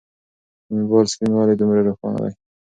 د موبایل سکرین ولې دومره روښانه دی؟